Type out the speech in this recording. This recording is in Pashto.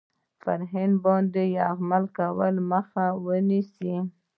پر هند باندي یرغل کولو مخه ونیسي.